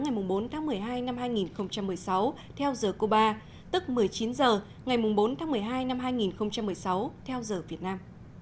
ngày bốn tháng một mươi hai năm hai nghìn một mươi sáu theo giờ cuba tức một mươi chín h ngày bốn tháng một mươi hai năm hai nghìn một mươi sáu theo giờ việt nam